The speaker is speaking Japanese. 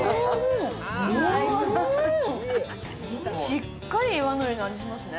しっかり岩のりの味、しますね。